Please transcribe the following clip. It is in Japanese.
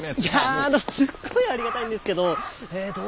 いやあのすっごいありがたいんですけどえ